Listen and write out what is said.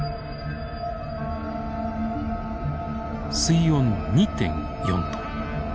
水温２．４度。